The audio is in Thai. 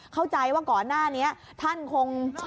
เข้าใจว่าก่อนหน้านี้ท่านคง